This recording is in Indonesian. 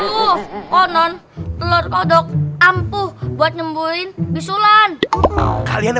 udah gini dengerin ya